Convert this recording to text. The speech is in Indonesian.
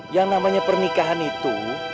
yang namanya pernikahan itu